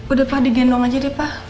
udah pa digendong aja deh pa